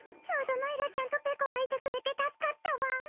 ちょうどまいらちゃんとぺこがいてくれて助かったわ。